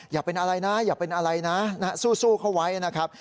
อย่าเป็นอะไรนะอย่าเป็นอะไรนะสู้เขาไว้นะครับ